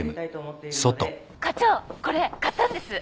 課長これ買ったんです。